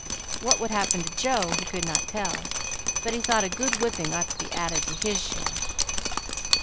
What would happen to Joe, he could not tell, but he thought a good whipping ought to be added to his share.